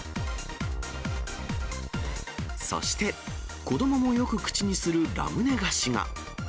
そして、子どももよく口にするラムネ菓子が。